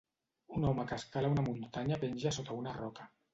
un home que escala una muntanya penja sota una roca